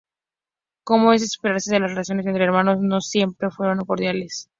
Como es de esperarse las relaciones entre hermanos no siempre fueron cordiales.